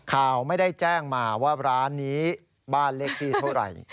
ข่าวไม่ได้แจ้งมาว่าร้านนี้บ้านเลขที่เท่าไหร่